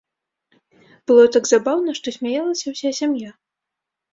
Было так забаўна, што смяялася ўся сям'я.